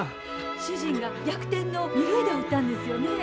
主人が逆転の二塁打を打ったんですよね。